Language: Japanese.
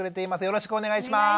よろしくお願いします。